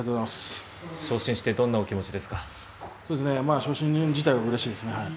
昇進して昇進自体はうれしいですね。